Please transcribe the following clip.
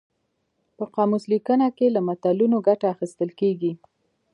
په قاموس لیکنه کې له متلونو ګټه اخیستل کیږي